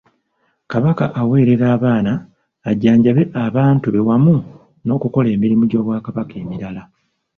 Kabaka awerere abaana, ajjanjabe abantu be wamu n'okukola emirimu gy'Obwakabaka emirala